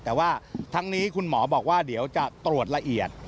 แต่ว่าทั้งนี้คุณหมอบอกว่าเดี๋ยวจะตรวจละเอียด